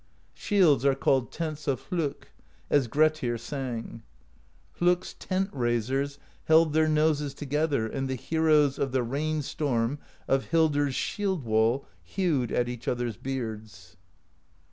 Shields are called Tents of Hlokk, as Grettir sang: Hlokk's Tent Raisers held their noses Together, and the heroes Of the Rain Storm of Hildr's Shield Wall Hewed at each other's beards.